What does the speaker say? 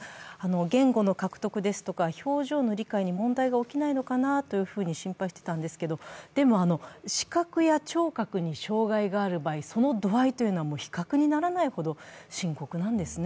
言語の獲得、表情の理解に問題が起きないのかなと心配していたんですけれども、視覚や聴覚に障害がある場合、その度合いというのは比較にならないほど深刻なんですね。